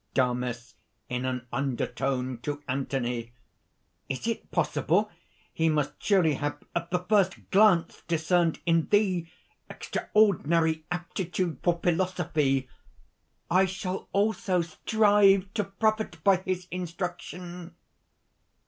DAMIS (in an undertone, to Anthony: ) "Is it possible? He must surely have at the first glance discerned in thee extraordinary aptitude for philosophy. I shall also strive to profit by his instruction."